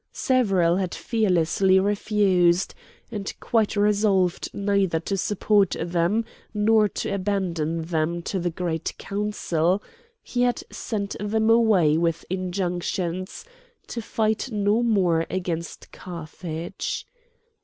Several had fearlessly refused; and quite resolved neither to support them nor to abandon them to the Great Council, he had sent them away with injunctions to fight no more against Carthage.